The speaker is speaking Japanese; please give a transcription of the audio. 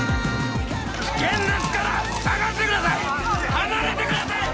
離れてください！